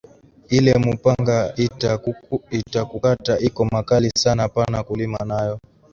Ile mupanga ita kukata iko makali sana apana kulima nayo